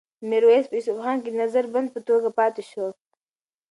میرویس په اصفهان کې د نظر بند په توګه پاتې شو.